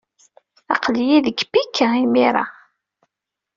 Aql-iyi deg Pikin imir-a.